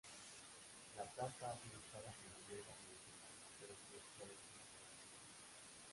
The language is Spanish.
La planta ha sido usada como hierba medicinal pero su uso es controvertido.